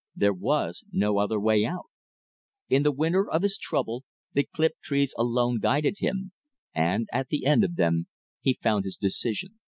There was no other way out. In the winter of his trouble the clipped trees alone guided him, and at the end of them he found his decision.